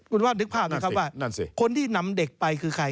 คุณภาพนึกภาพไหมครับว่าคนที่นำเด็กไปคือใคร